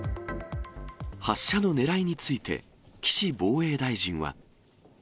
発射のねらいについて、岸防衛大臣は。